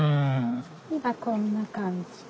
今こんな感じ。